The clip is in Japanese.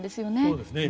そうですね。